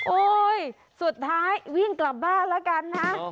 โอ้ยสุดท้ายวิ่งกลับบ้านล่ะครับล่ะ